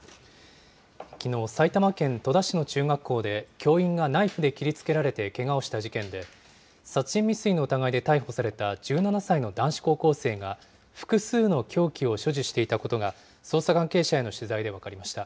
きのう、埼玉県戸田市の中学校で、教員がナイフで切りつけられてけがをした事件で、殺人未遂の疑いで逮捕された１７歳の男子高校生が、複数の凶器を所持していたことが、捜査関係者への取材で分かりました。